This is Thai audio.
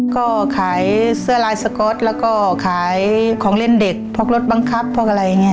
ก็ขายเสื้อลายสก๊อตแล้วก็ขายของเล่นเด็กพวกรถบังคับพวกอะไรอย่างนี้